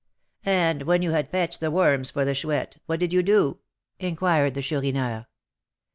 "And when you had fetched the worms for the Chouette, what did you do?" inquired the Chourineur.